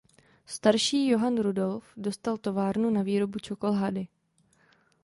Starší Johann Rudolf dostal továrnu na výrobu čokolády.